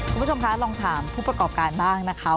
คุณผู้ชมคะลองถามผู้ประกอบการบ้างนะคะ